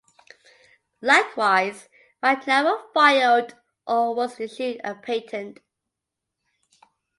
Likewise, Wright never filed or was issued a patent.